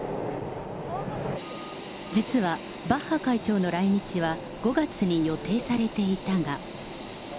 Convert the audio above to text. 実はバッハ会長の来日は５月に予定されていたが。